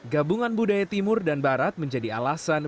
gabungan budaya timur dan barat menjadi alasan